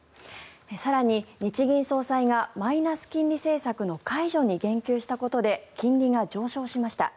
更に日銀総裁がマイナス金利政策の解除に言及したことで金利が上昇しました。